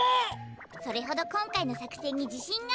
それほどこんかいのさくせんにじしんがあるってことよ